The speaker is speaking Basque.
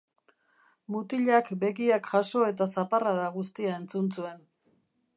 Mutilak begiak jaso eta zaparrada guztia entzun zuen.